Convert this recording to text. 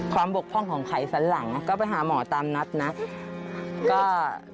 อย่างน้องพี่มเนี่ยน้องเขา